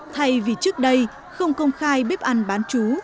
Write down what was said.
thay vì trước đây không công khai bếp ăn bán chú